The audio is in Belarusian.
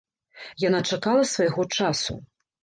Яна чакала свайго часу.